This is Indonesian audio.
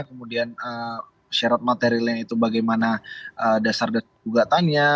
kemudian syarat materialnya itu bagaimana dasar dasar ugatannya